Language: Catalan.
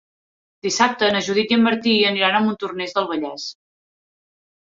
Dissabte na Judit i en Martí aniran a Montornès del Vallès.